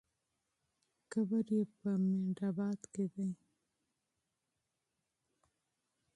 قبر یې په منډآباد کې دی.